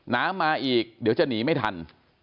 น้ำมาอีกเดี๋ยวจะหนีไม่ทัน